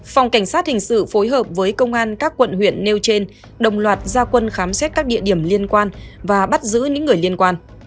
phòng cảnh sát hình sự phối hợp với công an các quận huyện nêu trên đồng loạt gia quân khám xét các địa điểm liên quan và bắt giữ những người liên quan